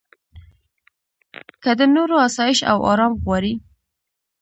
که د نورو اسایش او ارام غواړې.